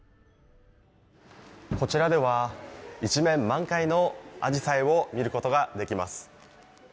こちらでは一面満開のアジサイを見ることができます。